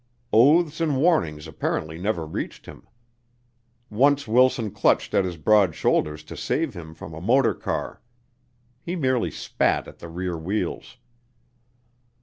Oaths and warnings apparently never reached him. Once Wilson clutched at his broad shoulders to save him from a motor car. He merely spat at the rear wheels.